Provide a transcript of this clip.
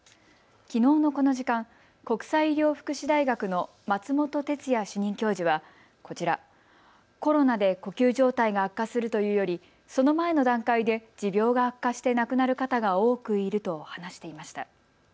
きのうのこの時間、国際医療福祉大学の松本哲哉主任教授はこちら、コロナで呼吸状態が悪化するというより、その前の段階で持病が悪化して亡くなる方が多くいると話していました。